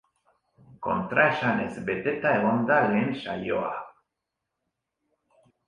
Kontraesanez beteta egon da lehen saioa.